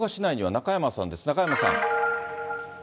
中山さん。